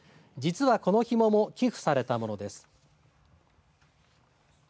実は、このひもも寄付されたものです。